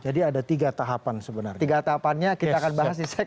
jadi ada tiga tahapan sebenarnya